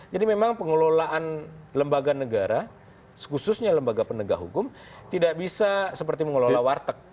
jadi memang pengelolaan lembaga negara khususnya lembaga penegak hukum tidak bisa seperti mengelola warteg